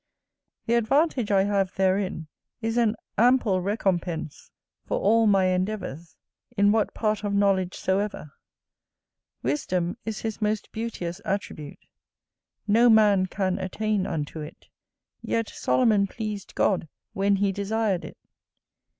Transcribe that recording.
The advantage I have therein, is an ample recompense for all my endeavours, in what part of knowledge soever. Wisdom is his most beauteous attribute: no man can attain unto it: yet Solomon pleased God when he desired it.